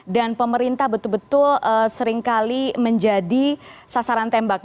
dan pemerintah betul betul seringkali menjadi sasaran tembak